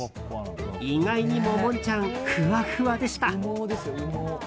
意外にも、モンちゃんふわふわでした。